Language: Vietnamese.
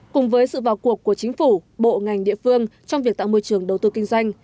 cùng với sự vào cuộc của chính phủ bộ ngành địa phương trong việc tạo môi trường đầu tư kinh doanh